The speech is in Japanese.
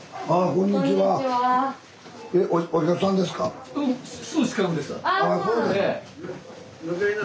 こんにちは。